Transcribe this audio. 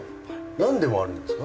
なんでもあるんですか？